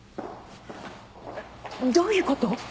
どういうこと？